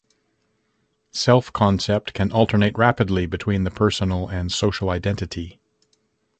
Self-concept can alternate rapidly between the personal and social identity.